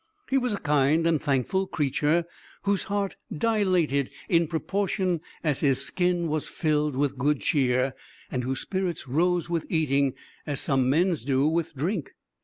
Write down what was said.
He was a kind and thankful creature, whose heart dilated in proportion as his skin was filled with good cheer, and whose spirits rose with eating, as some men's do with drink.